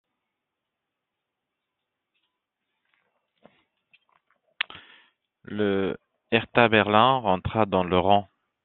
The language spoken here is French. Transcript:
Le Hertha Berlin rentra dans le rang.